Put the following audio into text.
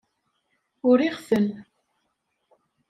Uriɣ-ten.